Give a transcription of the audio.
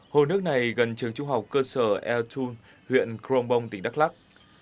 hồ nước này gần trường trung học cơ sở eltun huyện kronbong tỉnh đắk lắc